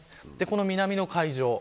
南の海上。